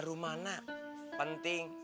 terus seperti ini